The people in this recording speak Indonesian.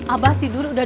abah tidur udah dua jam